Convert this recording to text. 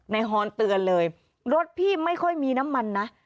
ฮอนเตือนเลยรถพี่ไม่ค่อยมีน้ำมันนะ